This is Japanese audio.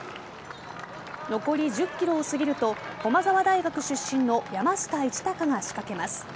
残り１０ｋｍを過ぎると駒澤大学出身の山下一貴が仕掛けます。